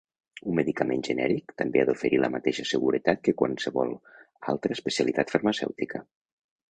Un medicament genèric també ha d'oferir la mateixa seguretat que qualsevol altra especialitat farmacèutica.